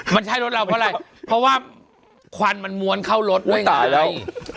มันใช่รถเราเพราะอะไรเพราะว่าควันมันม้วนเข้ารถไม่ตายแล้ว